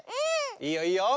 いいよいいよ。